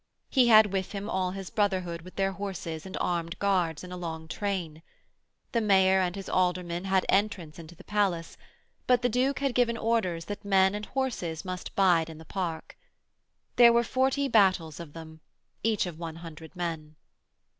He had with him all his brotherhood with their horses and armed guards in a long train. The mayor and his aldermen had entrance into the palace, but the Duke had given orders that men and horses must bide in the park. There were forty battles of them, each of one hundred men.